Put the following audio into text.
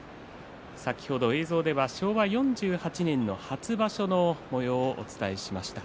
先ほど映像では昭和４８年の初場所のもようをお伝えしました。